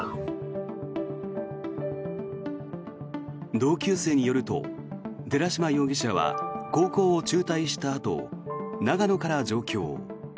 同級生によると寺島容疑者は高校を中退したあと長野から上京。